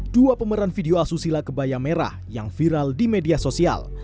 dua pemeran video asusila kebaya merah yang viral di media sosial